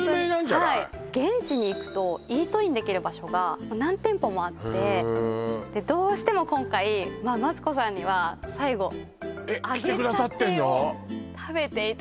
はい現地に行くとイートインできる場所が何店舗もあってへえどうしても今回最後えっ来てくださってんの！？